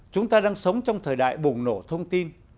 chúng ta đang sống trong thời đại bùng nổ thông tin